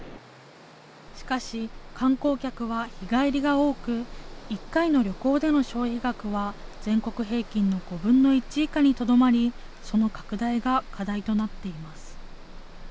しかし、観光客は日帰りが多く、１回の旅行での消費額は全国平均の５分の１以下にとどまり、その拡大が課題となっています。